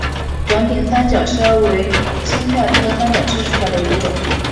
短柄三角车为堇菜科三角车属下的一个种。